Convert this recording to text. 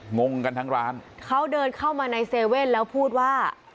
งงกันทั้งร้านเขาเดินเข้ามาในเซเว่นแล้วพูดว่า